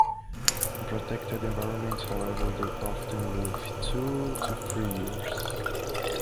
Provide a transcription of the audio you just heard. In protected environments, however, they often live two to three years.